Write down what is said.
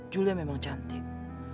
yulia memang cantik